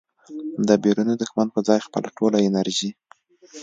د بیروني دښمن په ځای خپله ټوله انرژي